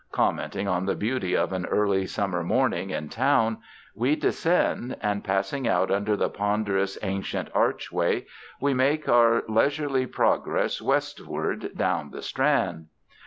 Commenting on the beauty of an early summer morning in town, we descend, and passing out under the ponderous ancient archway, we make our leisurely progress westward down the Strand.